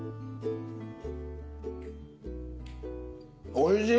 おいしい！